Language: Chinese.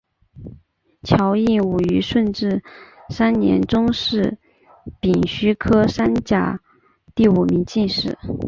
乔映伍于顺治三年中式丙戌科三甲第五名进士。